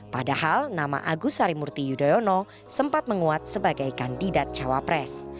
padahal nama agus sarimurti yudhoyono sempat menguat sebagai kandidat cawa pres